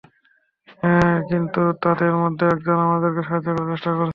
হ্যাঁ, কিন্তু তাদের মধ্যে একজন আমাদেরকে সাহায্য করার চেষ্টা করছে।